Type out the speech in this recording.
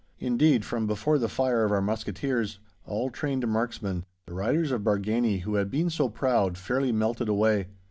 Indeed, from before the fire of our musketeers, all trained marksmen, the riders of Bargany who had been so proud, fairly melted away.